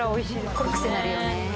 これくせになるよね